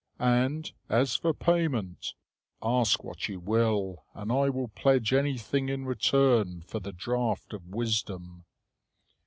And as for payment, ask what you will, and I will pledge anything in return for the draught of wisdom."